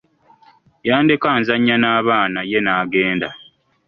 Yandeka nzannya n'abaana ye n'agenda.